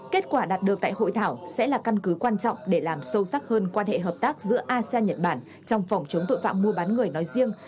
kết quả đạt được tại hội thảo sẽ là căn cứ quan trọng để làm sâu sắc hơn quan hệ hợp tác giữa asean nhật bản trong phòng chống tội phạm mua bán người nói riêng